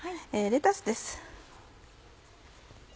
レタスです。